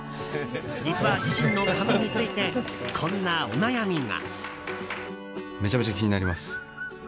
実は、自身の髪についてこんなお悩みが。